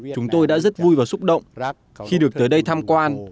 chúng tôi đã rất vui và xúc động khi được tới đây tham quan